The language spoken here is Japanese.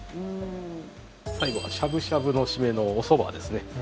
最後は、しゃぶしゃぶの締めのおそばですね。